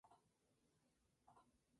No veo ninguna razón para ello.